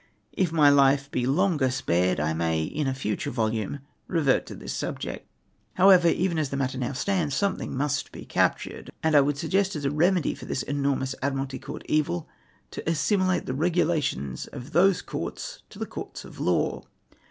If my life be longer spared I may in a fnture volume revert to this subject. However, even as the matter now stands, something must be captured, and I would suggest as a remedy for this enormous iVdmiralty Court evil to assimilate the regulations of those courts to the courts of law.